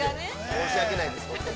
申し訳ないです。